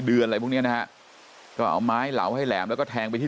ดือนอะไรหัวเนี้ยนะก็เอาไม้เราให้แหลมแล้วก็แทงไปที่